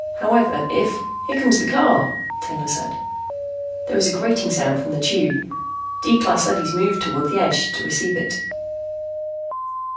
However, if " "Here comes the car," Taylor said. There was a grating sound from the Tube. D class leadys moved toward the edge to receive it.